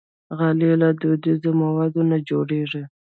غالۍ له دودیزو موادو نه جوړېږي.